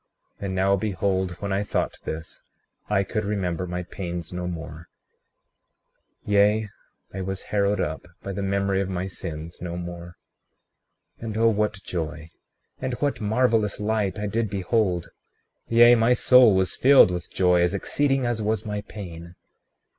36:19 And now, behold, when I thought this, I could remember my pains no more; yea, I was harrowed up by the memory of my sins no more. 36:20 And oh, what joy, and what marvelous light I did behold; yea, my soul was filled with joy as exceeding as was my pain!